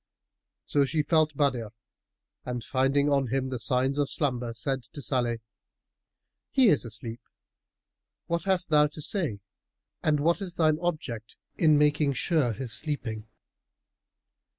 So she felt Badr and finding on him the signs of slumber said to Salih, "He is asleep; what hast thou to say and what is thine object in making sure his sleeping?"